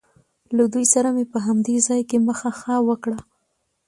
له دوی سره مې په همدې ځای کې مخه ښه وکړ.